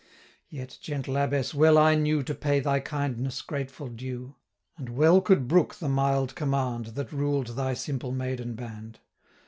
Yet, gentle Abbess, well I knew, To pay thy kindness grateful due, 120 And well could brook the mild command, That ruled thy simple maiden band.